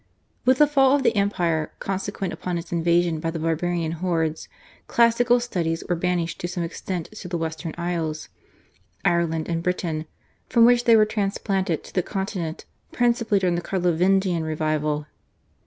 With the fall of the Empire, consequent upon its invasion by the barbarian hordes, classical studies were banished to some extent to the Western Isles, Ireland and Britain, from which they were transplanted to the Continent principally during the Carlovingian revival.